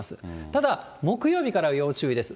ただ、木曜日からは要注意です。